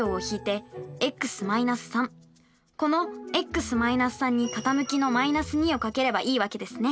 このｘ−３に傾きの−２を掛ければいいわけですね。